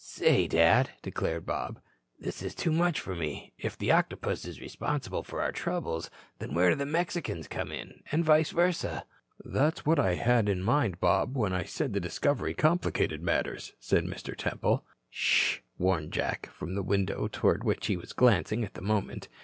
"Say, Dad," declared Bob, "this is too much for me. If the Octopus is responsible for our troubles, then where do the Mexicans come in? And vice versa?" "That's what I had in mind, Bob, when I said this discovery complicated matters," said Mr. Temple. "Sh," warned Jack, from the window toward which he was glancing at that moment.